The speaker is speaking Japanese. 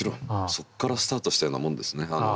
そこからスタートしたようなもんですね。